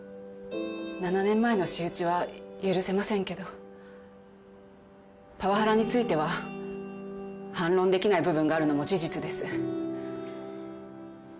７年前の仕打ちは許せませんけどパワハラについては反論できない部分があるのも事実です。